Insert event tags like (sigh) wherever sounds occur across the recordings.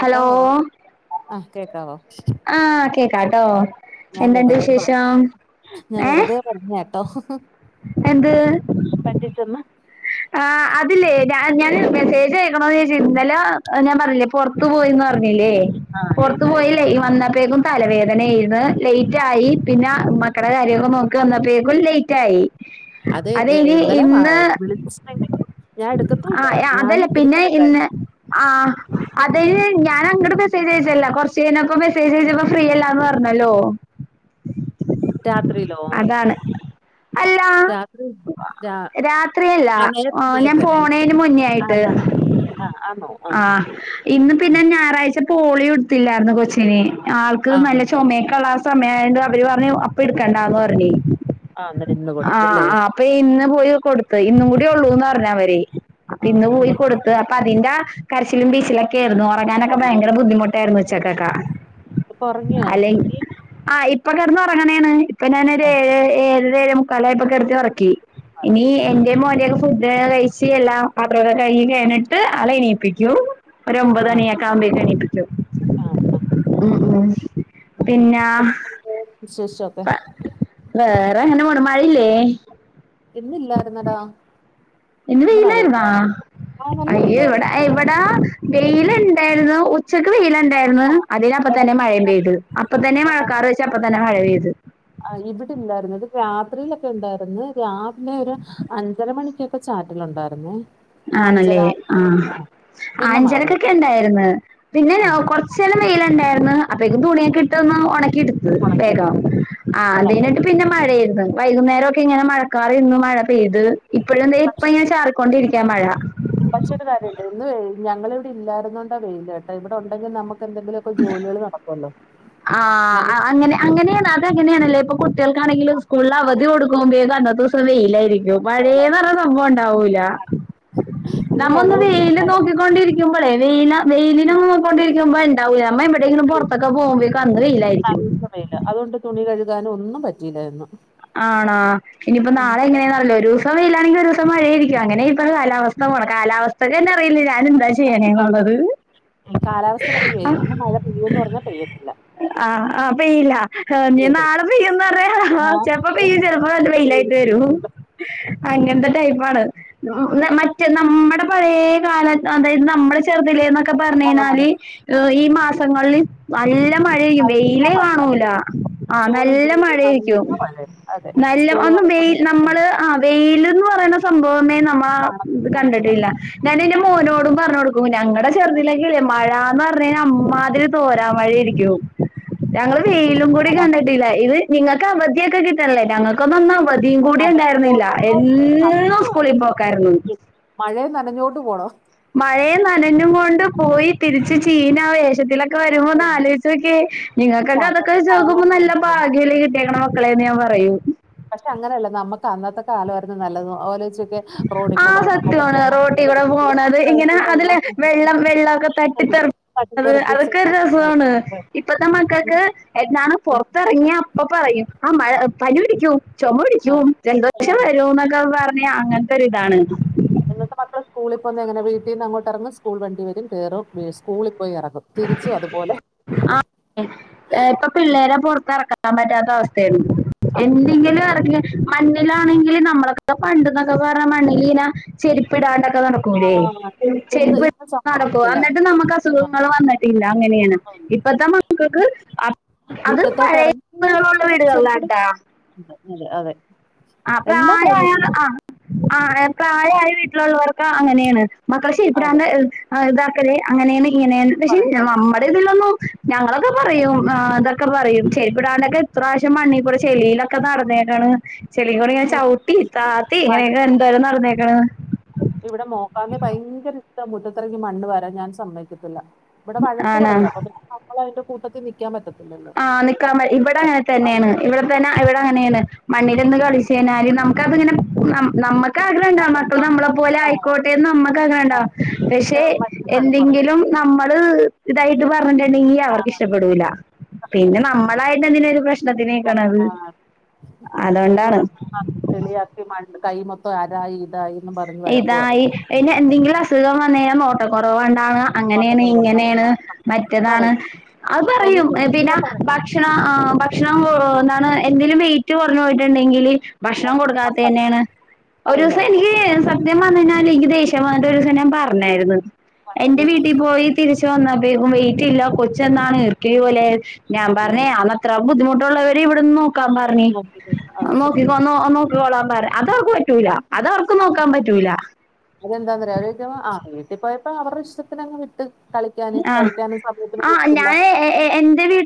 Hello ആ.. കേക്കാവോ ആ കേക്കാട്ടോ ഞാൻ എന്തുണ്ട് വിശേഷം, ഏ പറഞ്ഞകേട്ടോ എന്ത് പറ്റിച്ചെന്ന് ആ അത് ലേ ഞാൻ ഞാൻ മെസ്സേജ് അയ്‌. (unintelligible) ഇന്നലെ ഞാൻ പറഞ്ഞില്ലേ പുറത്തു പോയീന്നുപറഞ്ഞില്ലേ ആ ലേറ്റ് ആയില്ല പുറത്തുപോയില്ല, ഈ വന്നപ്പോത്തേക്കും തലവേദനേരുന്നു. ലേറ്റായി പിന്നെ മക്കടെ കാര്യങ്ങളൊക്കെ നോക്കിവന്നപ്പോഴത്തേക്കും ലൈറ്റായി അത് ഏ, അതെയ്ന് ഇന്നലെ വാ- ഇന്നാ (unintelligible) ഞാൻ എടുക്കത്തു മില്ലായിരുന്നു, ഞാനും ഇത്തിരി തിരക്കായിരുന്നു. അ.. ആ.. അതുകഴിഞ്ഞ് ഞാനങ്ങോട്ടുമെസ്സേജയച്ചല്ലോ കുറച്ച്.. ചെയ്തപ്പം മെസ്സജു ചെയ്തപ്പോ ഫ്രീ അല്ലാന്നുപറഞ്ഞല്ലോ. രാത്രിയിലോ അല്ല രാ രാത്രി രാ- രാത്രിയല്ല, ആ നേരത്തെ ഞാൻ നേരത്തെ പോണേനുമുന്നേയായിട്ട്. ആഹ്.. ആണോ ആ ആഹ്.. ഇന്നുപിന്നെ ഞായറാഴ്ച പോളിയോ കൊടുത്തില്ലായിരുന്നോ കൊച്ചിന്. ആൾക്ക് ആ ആ ആ, നല്ല ആ. ചുമയൊക്കെള്ള സമയമായണ്ട് അവരുപറഞ്ഞു, അപ്പ ടുക്കണ്ടാന്നുപറഞ്ഞു. ആ ഇന്ന്ട് കൊടുത്തല്ലേ.. പ്പ ഇന്ന്പോയി കൊടുത്തു. ഇന്നുകൂടി യുള്ളൂന്നു പറഞ്ഞ് അവര് അപ്പ ആ ഇന്ന് പോയി കൊടുത്ത് നിർബന്ധം അപ്പ അതിന്റെ കരച്ചിലും ബീച്ചിലൊക്കെ ആയിരുന്നു ഒറങ്ങാനൊക്ക ഭയങ്കര ബുദ്ധിമുട്ടായിരുന്നു ഉച്ചക്കെക്ക ഇപ്പൊ ഉറങ്ങിയോ അല്ലെങ്കി നീ ആ ഇപ് ഇപ്പൊ കിടന്നുറങ്ങണേയാണ്, ഇപ്പൊ ആ ഞാനൊരു ഏഴ്, ഏഴര ഏഴേമുക്കാലായപ്പോ കിടത്തിയുറക്കി ഇനി ഉറങ്ങി ഉം. യെന്റെയുംമോന്റെയൊക്കെ ഫുഡുകഴിച്ച് എല്ലാ പാത്രക്കെ കഴികി കഴിഞ്ഞിട്ട് ആളെയെണീ പിക്ക്യൂ ഒരൊമ്പത് ആ മണിയൊക്കെ യാവുമ്പോക്ക് എണീപ്പിക്കും ആ ആ ഉം ഉം പിന്നാ ഉം വിശേഷം വേറെയെങ്ങനെ പോണു മഴയില്ലേ. ഇന്നില്ലായിരുന്നടാ ഇന്ന് വെയിലായിരുന്നാ ആ നല്ല അയ്യൊ വെയിലായിരുന്നു ഇവിടെ ഇവിട വെയിലുണ്ടായിരുന്നു ഉച്ചയ്ക്ക് വെയിലുണ്ടായിരുന്നു അതിനപ്പ തന്നെ എടക്ക് മഴയും പെയ്ത് അപ്പ തന്നെ മഴക്കാർ വെച്ച് അപ്പ തന്നെ മഴ പെയ്ത് ഇവിടെ ഇല്ലായിരുന്നു ഇത് രാത്രിയിലൊക്കെ ഉണ്ടായിരുന്നു രാവിലെ ഒരു അഞ്ചര മണിക്കൊക്കെ ചാറ്റലുണ്ടായിരുന്നേ ആഹ് അഞ്ചര ആണല്ലേ ആഹ് പിന്നെ മാറി അഞ്ചരക്കൊക്കെ ഉണ്ടായിരുന്ന് പിന്നെ ആഹ് കൊറച്ച് ച്ചേരം വെയിലുണ്ടായിരുന്ന് അപ്പൊഴേക്കും തുണിയൊക്കെ ഇട്ടൊന്ന് ഉണക്കിട്ട് പെയ്തൊ ഒണക്കിയെടുത്ത് അപ്പൊ ആഹ് നല്ല വെയിലന്നിട്ട് വെയില് പിന്നെ മഴ ആയിരുന്നു വൈകുന്നേരം ഒക്കെ ഇങ്ങനെ മഴക്കാറ് നിന്ന് മഴ പെയ്ത് ഇപ്പോഴും ദേ ഇപ്പൊ പക്ഷെ ഇങ്ങനെ ചാറിക്കൊണ്ടിരിക്കു ക്ക മഴ പക്ഷെ ഒരു കാര്യംണ്ട് ഇന്നുവേ ഞങ്ങളിവിടെ ഇല്ലായിരുന്ന കൊണ്ടാ വെയില് കേട്ടാ ഇവിടെ ഉണ്ടെങ്കിൽ നമുക്ക് എന്തെങ്കിലുവൊക്കെ ജോലികള് നടക്കുമല്ലോ ആഹ് അങ്ങനെ അങ്ങനെയാണ് അതെങ്ങനെയാണല്ലൊ ഇപ്പൊ കുട്ടികൾക്കാണെങ്കിലും സ്കൂളിൽ അവധി കൊടുക് ക്കുവോം ചെയ്യും അന്നത്തെ ദിവസം വെയിലായിരിക്കും മഴേന്നു വെയിലായിരിക്കും പറയുന്ന സംഭവം ഉണ്ടാവൂല ഇന്ന് നമ്മൊന്ന് ഞങ്ങള് ഇവിടെ വെയിലിന ഇല്ലായിരുന്നു നോക്കി കൊണ്ടിരിക്കുമ്പോളേ വെയില വെയിലിന നോക്കി കൊണ്ടിരിക്കുമ്പോ ഉണ്ടാവില്ല നമ്മ എവിടെങ്കിലും പുറത്തൊക്കെ പോകുമ്പ അന്ന് വെയിലായിരിക്കും നല്ല അതുകൊണ്ട് തുണി കഴുകാനൊന്നും പറ്റിയില്ല ഇന്ന് ആണാ ഇനിയിപ്പോ നാളെ എങ്ങനെയാ നല്ലൊരു ഇപ്പ വെയിലാണെങ്കി ഒരു ദിവസം മഴ ആയിരിക്കും അങ്ങനെയാ ഇപ്പ കാലാവസ്ഥ പോണ കാലാവസ്ഥക്ക് തന്നെ അറിയില്ല ഞാനെന്താ ചെയ്യ ചെയ്യണേ ഞങ്ങൾ എന്നുള്ളത് കാലാവസ്ഥ പറയുവേ ഇന്ന് മഴ പെയ്യൂന്ന് പറഞ്ഞാ പെയ്യത്തില്ല ആഹ് ആഹ് പെയ്യില്ല ആ ഞാൻ പെയ്യത്തില്ല നാളെ പെയ്യൂന്ന്പറഞ്ഞ ചെലപ്പോ പെയ്യും ചെലപ്പോ അത് വെയിലായിട്ട് വരും. അങ്ങനത്തെ ടൈപ്പാണ് മറ്റേ നമ്മുടെ പഴേ കാലഘട്ടം അതായത് നമ്മുടെ ചെറുതിലേന്നൊക്കെ ക്ക പറഞ്ഞ് ആഹ് കഴിഞ്ഞാല് ഈ മാസങ്ങളിൽ നല്ല മഴ ആരിക്കും നല്ല വെയില് മഴയാ കാണൂല ആഹ് ജൂണ് നല്ല ജൂലൈ മഴ ആയിരിക്കും നല്ല മഴയാ അതെ നല്ല സ്കൂള് ഒന്നും തുറക്കുന്ന വെയിൽ നമ്മള് ആ വെയിലെന്ന് പറയുന്ന സംഭവമേ കാണത്തില്ല നമ്മള് കാണത്തില്ല. കണ്ടിട്ടില്ല ഞാൻ എന്റെ മോനോടും പറഞ്ഞ് കൊടുക്കും ഞങ്ങടെ ചെറുതിലൊക്കയില്ലേ മഴാന്ന് പറഞ്ഞ് കഴിഞ്ഞാ അമ്മാതിരി തോരാ മഴയായിരിക്കും ഞങ്ങള് വെയിലും കൂടി കണ്ടിട്ടില്ല ഇത് നിങ്ങൾക്ക് അവധിയൊക്കെ കിട്ടണില്ലേ ഞങ്ങൾക്കൊന്നും അന്ന് അവ ധിയും കൂടി അതൊക്കെ ഉണ്ടായിരുന്നില്ല എന്നും സ്കൂളി പോക്കായിരുന്നു മഴയും നനഞ്ഞോണ്ട് പോണോ മഴയും നനഞ്ഞും കൊണ്ട് പക്ഷെ പോയി തിരിച്ച് ചീന ആ വേഷത്തില ക്കെ വരുമ്പൊ ഒന്ന് ആലോചിച്ച് നോക്കിയേ നിങ്ങൾക്കൊക്കെ അതൊക്കെ അന്നത്തെ വെച്ച് നോക്കുമ്പോ നല്ല കാലമായിരുന്നു നല്ലത് ഭാഗ്യം അല്ലെ കിട്ടിയേക്കണ ക്കളേന്ന് ഞാൻ പറയും പക്ഷെ അങ്ങനല്ല നമ്മക്ക് അന്നത്തെ കാലമായിരുന്നു നല്ലത് ആലോയിച്ച് നോക്കിക്കേ ആഹ് സത്യാണ് റോട്ടി കൂടെ ചവിട്ടിട്ട് പോണത് അതെ ഇങ്ങനെ അതില് വെള്ളം വെള്ളമൊക്കെ തട്ടിത്തെറി പട്ടി അത് അതൊക്കെ തെറിപ്പിച്ചൊക്കെ ഒരു രസമാണ് ഇപ്പത്തെ മക്കക്ക് എങ്ങാണം പുറത്തിറങ്ങിയ ഇപ്പൊ പറയും ആ മഴ പനി പിടിക്കും ചുമ ആ ആ, പിടിക്കും ആ, ജലദോഷം വരും എന്നൊക്കെ പറഞ്ഞ് അങ്ങന ക്കൊരിതാണ് ഇന്നത്തെ മക്കൾ സ്കൂളിൽ പോന്ന എങ്ങന വീട്ടീന്നങ്ങോട്ട് ഇറങ്ങും സ്കൂൾ വണ്ടി വരും കയറും സ്കൂളിൽ പോയി ഇറങ്ങും തിരിച്ചും അതുപോലെ ആഹ് ഇപ്പൊ പിള്ളേരെ പൊറത്തിറക്കാൻ പറ്റാത്ത അവസ്ഥയാണ് അതെ എന്തെങ്കിലും ഇറക്ക മണ്ണിലാണെങ്കിൽ നമ്മളക്കെ പണ്ടന്നൊക്കെ പറഞ്ഞ മണ്ണിൽ ഇങ്ങന ചെര്പ്പിടാണ്ടൊക്കെ ആ നടക്കൂല്ലേ ഇന്ന് ചെര്പ്പ് ഇന്ന് നടക്കും സമ്മതിക്കത്തില്ല എന്നിട്ടും നമുക്ക് ആ, അസുഖങ്ങൾ വന്നിട്ടില്ല അങ്ങനെയാണ് ഒന്നുമില്ല ഇപ്പത്തെ മക്കൾ മുറ്റത്തോട്ട് റങ്ങിയ വീടുകളുള്ള ചെരുപ്പ്ട് വീടുകളിലാട്ടാ അതെ അതെ ആ എല്ലാ പ്രായയാ കാര്യവും അങ്ങനെ ആ ആ തെ പ്രായായ വീട്ടിലുള്ളവർക്ക് അങ്ങനെണ് പക്ഷേ അതെ പ്രമേ ആഹ് ഇതാക്കല് അങ്ങനെയന്ന് ഇങ്ങനെയന്ന് പക്ഷെ പറയും പറയും പറയും നമ്മുടെതിലൊന്നും ഞങ്ങളൊക്കെ പറയും ആ അതൊക്കെ പറയും ചെരിപ്പടാണ്ടൊക്കെ എത്രപ്രാവ്ശ്യം മണ്ണികൂടെ ചെളിലൊക്കെ നടന്നേന്റാണ് ചെളികൂടെ ഞാൻ ചവിട്ടി മുറ്റത്തിറങ്ങി താത്തി ങ്ങനെങ്ങെ മണ്ണ് എന്തോരം നടന്നേക്കണ് ഇവിടെ മോക്കാന്നെ ഭയങ്കര ഇഷ്ട മുറ്റത്തറങ്ങി മണ്ണ് വരാൻ ഞാൻ സമ്മയ്ക്കത്തില്ല ഇവിടെ വഴക്ക് ആണാ പറയും അപ്പോ പിന്നെ നമ്മളായിട്ട് കൂട്ടത്തിൽ നിൽക്കാൻ പറ്റത്തില്ലല്ലോ ആഹ നിക്കാൻപറ്റ വഴക്ക് ഇവിടെ പറയും. തന്നെണ് ഇവിടെ തന്നെ ഇവിടെങ്ങനെണ് മണ്ണിലോന്ന് കളിച്ചയ്ഞ്ഞാല് നമുക്കത്ങ്ങനെ നമ്മ ക്കാഗ്രഹണ്ടാകും അതെ മക്കൾ നമ്മൾ നമ്മളെ പോലെ ആ ആയിക്കോട്ടെന്ന് നമ്മുക്കാഗ്രഹണ്ടാാവും അതെ പക്ഷെ മറ്റൊരു വഴക്ക് പറയും എന്തെങ്കിലും നമ്മള് തായിട്ട് പറഞ്ഞിട്ടുണ്ടെങ്കി ആ, അവർക്ക് ഇഷ്ടപ്പെടൂല അതെ പിന്നെ നമ്മളായിട്ട് എന്തിനാരു പ്രശ്നത്തിന്ക്ക്ണത് അതൊണ്ടാണ് ചളിയാക്കി മ കൈ മ ക്കെ അതായി ഇതായി ഇതായി പിന്നെ എന്തെങ്കിലും അസുഖം വന്ന കഴഞ്ഞാൽ നോട്ട കൊറോവോണ്ടാണ് അങ്ങനെയാണ് ഇങ്ങനെയാണ് മറ്റതാണ് പറയും അത് ഒന്ന് പറയും പിന്ന തുമ്മിയാ ഭക്ഷണം ഭക്ഷണം ആ ഭക്ഷണം പറയും കൊറഞ്ഞാണ് എന്തെലും വെയിറ്റ് കോർഞ്ഞു പോയിട്ടുണ്ടെങ്കിൽ ഭക്ഷണം കൊടുക്കാത്തന്നെണ് ഒരു പറയും ദിവസം പറയും നിക്ക് സത്യം പറഞ്ഞാല് ഇന്ക് ദേഷ്യം വന്നിട്ട് ഒരുസം ഞാൻ പറഞ്ഞാരുന്നു എന്റെ അതല്ലേ വീട്ടിൽ പോയി തിരിച്ചു വന്നതെക്കും വെയിറ്റ്ല്ല കൊച്ച് എന്നാണ് ഈർക്കില് പോലെയി ഞാൻ പറഞ്ഞു ഞാൻ അത്രയും ബുദ്ധിമുട്ടുള്ളവര് ഇവിടെന്ന് നോക്കാം പറഞ് നോക്കിക്കോളാൻ പർഞ് അതവർക്ക് പറ്റൂല അതവർക്ക് നോക്കാൻ പറ്റൂല പറ്റൂല അതെന്താങ്ങനെ ആ വീട്ടിൽ പോയപ്പോ അവര്ടെ ഇഷ്ടത്തിനങ് വിട്ടു കഴിക്കാന് ആഹ് കഴിക്കാനും സമയത്തിന് കൊട്ക്കത്തില്ല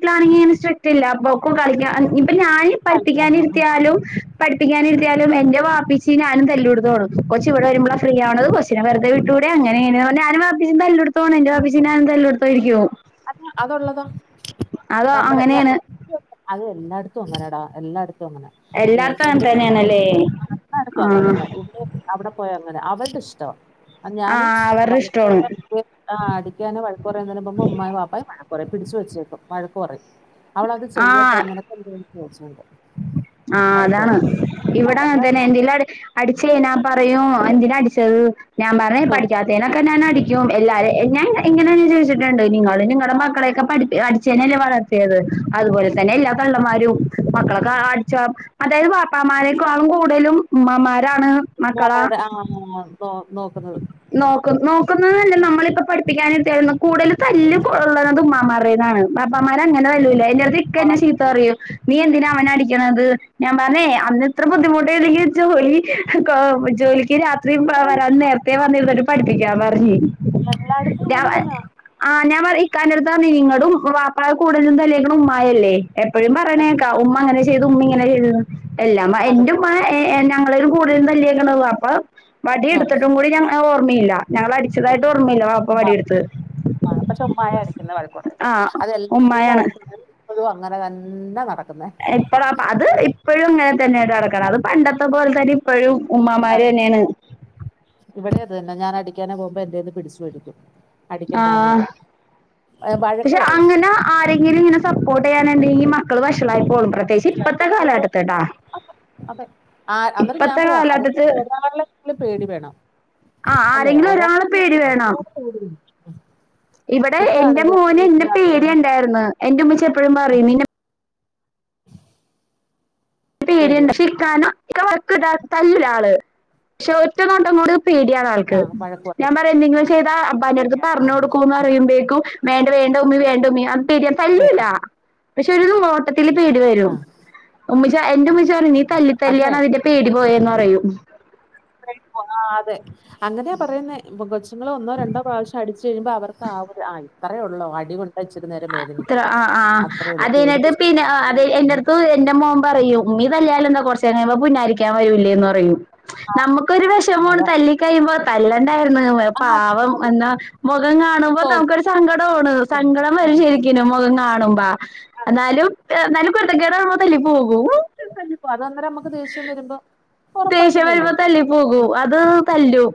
പ്പാണെങ്കിങ്ങനെ സ്ട്രിക്ട് ഇല്ല പ്പോ ക്ക് കളിക്കാൻ ഇപ്പ ഞാൻ കളിക്കാൻ പോവാം പഠിപ്പിക്കാനിരര്ത്തിയാലും പഠിപ്പിക്കാനിര്ത്തിയാലും എന്റെവാപ്പച്ചി ഞാനും തല്ലൂടു കൊച്ച് ഇവിടെ വരുമ്പോള ഫ്രീആവുന്നത് കൊച്ച് കൊച്ഛ്നെ വെുതെ വിട്ടൂടെ അങ്ങനിങ്ങനെർഞ് ഞാനും ബാപ്പച്ചിം തല്ലെടുതായിരിക്കും എന്റെപ്പച്ചിം ഞാനും തല്ലെടുത്തായിരിക്കും അ അതുള്ളതാ അതോ നമ്മുടെ ഞാൻ അങ്ങനെയാണ് ന്റെ അത് എല്ലാട്ത്തും അങ്ങനെടാ എല്ലാട്ത്തും അങ്ങനാ എല്ലാർത്തും അങ്ങന്ന്നെണല്ലേ എല്ലായിടത്തും ആ അങ്ങനെ തന്നെ ഇവിടെ അവിടെ പോയ അങ്ങനെ അവര്ടെ ഇഷ്ടാ ഞാന് ആഹ് അവരുടെ ഇഷ്ടാണ് വള്ളതിലർങ്ങിയാ ആ അടിക്കാനേ വഴക്ക്റയുന്നതിന്റെമുൻപേ ഉമ്മയും പാപ്പായും വഴക്കറയും പിടിച്ചച്ച് വെച്ചേക്കും വഴക്കറയും അവളത് ചെയ്യട്ടെ നിനക്കെന്ത് ചോയ്ച്ചോണ്ട് ആഹ അതാണ് എല്ലാ- ഇവിടങ്ങന് തന്നെ എല്ലായിടത്തും എന്തെല്ലട് അടിച്ചേനാ പറയും എന്തിനാട്ച്ചത് ഞാൻ പറയും ചോദിക്കും. പഠിക്കാത്തേനാ ഒക്കെ ഞാൻ അടിക്കും എല്ലാരെ ഞൻ ഇങ്ങനെന്നെ ചോയ്ച്ചിട്ടുണ്ട് നിങ്ങള നിങ്ങളുടെ മക്കളെയൊക്കെ പഠിപ്പി അടിച്ചേനല്ല വളർത്തിയത് അതുപോലെ തന്നെ എല്ലാ തള്ളന്മാരും മക്കളൊക്കെ അടിച്ച അതായത് പാപ്പാമാരെക്കാളും കൂടുതലും ഉമമ്മമാരാണ് അതെ ആ നോ നോക്കുന്നത് നോക്ക് നോക്കുന്നത്തല്ല നമ്മളിപ്പ പഠിപ്പിക്കാനിര്ത്തിയാ കൂടുതൽ തല്ല് കൊള്ള്ണത് ഉമ്മമാരെന്നാണ് ബാപ്പാമാരങ്ങനെ തല്ലൂല്ല എന്റെ അടുത്ത് ഇക്ക എന്നെ ചീത്ത പറയും നീ എന്തിന അവനെ അങ്ങനെ അടിക്ക്ണത് ഞാൻ പറഞ്ഞേ അവന് ത്ര ബുദ്ധിമുട്ട്ണ്ടെങ്കിൽ ജോലി ജോലിക്ക് രാത്രി ശത്രു പോവാൻ നേരത്തെ വന്നിരുന്നിട്ട് പഠിപ്പിക്കാൻ പറഞ് എല്ലായിടത്തും അങ്ങനെ ഞാനർ തന്നെ ആ ഞാൻ പറിം ഇക്ക ന്റെടുത്ത് നിങ്ങളടും മ്മ ബാപ്പ ആ കൂടുലും തല്ലേക്ക്ണ് ഉമ്മാരല്ലേ എപ്പോഴും പറഞ്ഞേക്കാ ഉമ്മ അങ്ങനെ ചെയ്തു ഉമ്മ ഇങ്ങനെ ചെയ്തൂന്ന് എല്ലാമ്മ എന്റുമ്മ അതുപോലെ ഞങ്ങളിലും കൂടുതലും തല്ലിയക്കണ വാപ്പാ വടി ഉം. എടുക്ക കൂടി ഞങ്ങക്ക് ഓർമ്മയില്ല ഞങ്ങളെ അടിച്ചതായിട്ട് ഓർമ്മയില്ല വാപ്പ ഉമ്മ വടിയെടുത്ത് പക്ഷെ ഉമ്മായ അടിക്കുന്ന വളക്കുറ അതെല്ലാം ഉമ്മായാണ് അടുത്ത ഇപ്പോഴും അങ്ങനെ തന്നെ നടക്ക എപ്പ അപ്പ അത് ഇപ്പോഴും ഇങ്ങനെ തന്നെയട ഇറ അത് പണ്ടത്തെ പോലെ തന്ന ഇപ്പോഴും ഉമ്മാര് തന്നെയാണ് ഇവിടെയരുതനെ ഞാൻ അടിക്കാനെ പോകുമ്പോ എന്റെന്ന് പിടിച്ചുപേടിക്കും ആ അടിക്കണ്ടന്ന് പറയും വഴക്ക് പക്ഷെ പറയും അങ്ങനെ ആരെങ്കിലും ഇങ്ങനെ സപ്പോർട്ട് ചെയ്യാനുണ്ടെങ്കിൽഈ മക്കൾ വഷളായി പോകും ത്ശേ ഇപ്പത്തെ കാലം എടുത്തട്ടാ അതെ ആ അന്നേരം ഞാൻ പറയാം കാലഘട്ടത്തി ആരെങ്കും ഒരാളെങ്കിലും പേടി വേണം ആ ആരെങ്കിലും ഒരാളെ പേടി വേണം ഉം ഇവിടെ എന്റെ മോന് എന്റെ അത് പേടി വേണം ഉണ്ടായിരുന്നു എന്റെ ഉമ്മച്ചി എപ്പോഴും ആ പറയും നി പേടി പേടിയണ്ട് വേണം പക്ഷേ ക്കാനോ വക്കത്തല്ലരാള് പക്ഷെ ഒറ്റ നൊട്ടങ്ങോടി പേടിയാണ് ആ ആൾക്ക് വഴക്ക് ഞാൻ പറയും പറയാ എന്തെങ്കിലും ചെയ്താ അബാ ന്റെ അടുത്ത് ആ പറഞ്ഞ കൊടുക്കൂന്ന് അത് പറയുമ്പോക്കും വേണ്ട വേണ്ട ഉമ്മി വേണ്ട ഉമ്മി പേടാൻ തല്ലില്ലല്ല വേണം. പക്ഷെ ഒരു നോട്ടത്തില് പേടി ആ വരും ഉമ്മച്ച എന്റെ ഉമ്മുച്ചിറയും നീ അത് തല്ലിത്തല്ലിയാണ് വേണം അതിന്റെ പേടി പോയന്ന് പറയും ആ അതെ അങ്ങനെയാ പറയുന്ന കൊച്ച്ങ്ങള് ഒന്നോ രണ്ടോ പ്രാവശ്യം അടിച്ചു കഴിയുമ്പോ അവർ ആ ഒരു ഇത്രയേള്ളൂ അടികൊള അച്ചി നേരംവേദ ഇത്ര ആ ആ അത്തിനട്ട് പിന്നെ അത പേടിപ്പിച്ച് എന്റെടുത്ത് എറെ മോൻ പറയൂ ഉമ്മി തല്ലിയാലൽ എന്താ കുറച്ചുമ്പ പുന്നാരിക്കാൻ വരൂല്ലേന്ന് പറയും നമുക്കൊരു വിഷമാണ് അതാ തല്ലി കഴിയുമ്പോ തല്ലണ്ടരുന്നു ആ പാവം എന്നാ മുഖം കാണുമ്പോ തോന്നും നമുക്കൊരു സങ്കടണ് തോന്നും സങ്കടം ഉം വരും ഉം ശരിക്കും മുഖം കാണുമ്പ ഉം എന്നാലും എന്നാലും കുരുത്തക്കേട് കാണുമ്പോ തല്ലി പോകും പ്പ അന്നേരം നമക്ക് ദേഷ്യം വരുമ്പോ ഉറപ്പായിട്ടും ദേശ്യവരിമ്പ തല്ലും തല്ലി പോകൂ അത് തല്ലു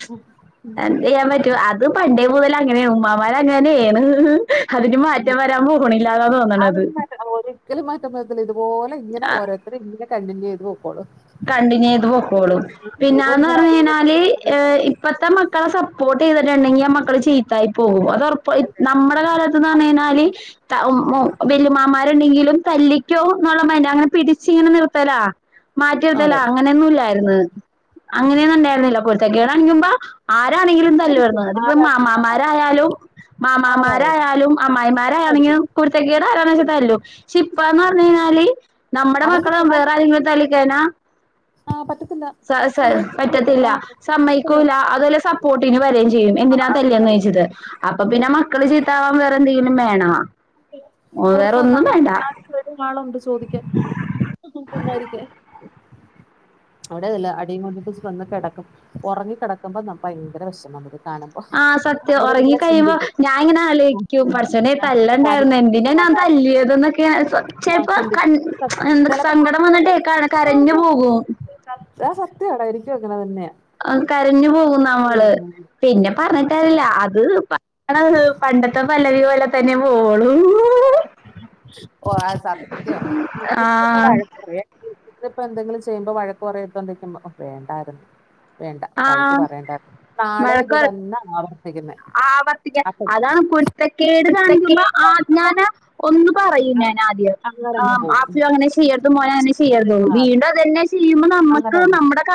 (unintelligible) എന്ത് ചെയ്യാൻ പറ്റൂ അത് പണ്ടേ മുതല അങ്ങനെയ ഉമ്മാമാർ അങ്ങനെയെയാണ് അതിന് ഉം. മാറ്റം വരാൻ പൊണില്ലാതാന്ന് തന്നാണ് അത് അതൊന്നും മാറ്റ ഒരിക്കലും മാറ്റം വരതില്ല ഇതുപോലെ ഇങ്ങനെ ഓരോരുത്തര് ഇങ്ങനെ കണ്ടിന്യൂ ചെയ്ത് പോക്കോളൂ കണ്ടിന്യൂ ചെയ്ത് പോക്കോളും പിന്നന്ന് ഇങ്ങനെ പറഞ്ഞഞ് അടിയിലൊക്കെ കഴിഞ്ഞാല് കിടന്നിട്ട് ഇപ്പത്തെ മക്കളെ സപ്പോർട്ട് ചെയ്തിട്ടുണ്ടെങ്കിൽ മക്കള് ചീത്തായി പോകും ഉ റപ്പ അല്ലേ നമ്മുടെ കാലത്ത്ന്ന് പറഞ്ഞ കഴിഞ്ഞാല് ത മോ വല്ലുമാമാരുണ്ടെങ്കിലും തല്ലിക്കോ എന്നുള്ള മന്റെ അങ്ങനെ പിടിച്ച ഇങ്ങനെ നിർത്തലാ മാറ്റടുത്തല്ല അതെ അങ്ങനെയൊന്നും ഇല്ലായിരു ന്ന് അങ്ങനെയൊന്നും ഉണ്ടായിരുന്നില്ല കുരുത്ത കേടണിക്കുമ്പോ ആരാണെങ്കിലും തല്ലു അടിക്കും വരുന്നത് അതിപ്പ ആരാ മാമാമാരായാലും ആരായാലും മാമാമാരായാലും അടിക്കും അമ്മായിമാരായണെങ്കിലും കുരു ത്തകേട് ആരണെന്ന് വെച്ച തല്ലും പക്ഷെ ഇപ്പന്ന് പറഞ്ഞഞ് കഴിഞ്ഞാല് നമ്മടെ അവർക്ക് മക്കള തൊടാൻ വേറെ ആതെങ്കിലും തള്ളിക്കനാ ആ പറ്റത്തില്ല സ സ സമ്മതിക്കത്തില്ല പറ്റത്തില്ല ആ പറ്റത്തില്ല സമ്മക്കൂല അതെല്ലാം സപ്പോർട്ടിന് വരയും ചെയ്യും എന്തിനാ തല്ന്ന് ചോദിച്ചത് അപ്പൊ പിന്നെ മക്കള് ചീത്താവാൻ വേറെ എന്തെങ്കിലും വേണ അവർക്ക് നാ വേറെന്നും വേണ്ട ഞാൻ ആളുണ്ട് ചോദിക്കാ പു ന്നരിക്ക അവിടെതല്ല അടിയും ക കൊണ്ടിട്ട വന്ന് കിടക്കും ഉറങ്ങി കിടക്കുമ്പോ ഭയങ്കര വിഷമം വരും കാണുമ്പോ ആഹ് സത്യം അങ്ങനെ ഒറങ്ങി ഇങ്ങനെ കഴിയുമ്പോ ചിന്തിക്കും ഞാ ഇങ്ങനെ ഉം ആലോയിക്കും പടച്ചോനേ, തല്ലെണ്ടാറ്ന്ന് എന്തിന ഞാൻ ആഹ് തല്ലിയേത് (unintelligible) ആഹ് ചെൽപ്പോ കര് ചിന്തിക്കും എന്ത ചിലപ്പോ സങ്കടം കണ്ണ് വന്നിട്ട് കര കരഞ്ഞു പോകോ ആ സത്യം അട എനിക്കും അങ്ങനെ തന്നെയാ കരഞ്ഞു പോകും നമ്മള് ഉം പിന്നെ പറഞ്ഞ അല്ല അത് പണ്ടത്തെ പല്ലവി പോലെ തന്നെ പോവൂ ളൂ ഓ ആ സത്യയാ ആഹ് വഴക്കുപറയെ ഇതിപ്പോ എന്തെങ്കിലും ചെയ്യുമ്പോ വഴക്ക കുറയത്തന്തക്കുമ്പോ വേണ്ടായിരുന്നു വേണ്ട വ ഴക്ക് ആഹ് പറയണ്ട നാളെ വഴക്ക് ഇത് പറ തന്നെ ആവർത്തിക്കുന്ന ആവർത്തിക്കാൻ അപ്പ അതാണ് കുരുത്തക്കേട് കാണിക്കുമ്പോ ആ ഞാന് (unintelligible) ഒന്ന് പറയുംഞാൻ ആദ്യം പോവും ആഫു അങ്ങനെ ചെയ്യത് മോനെ അങ്ങനെ ചെയ്യരുത് തോന്നും ആഹ് വീണ്ടും അതെന്നെ ചെയ്യുമ്പോ അങ്ങനെ നമ്മുക്ക് തന്നെ നമ്മുടെ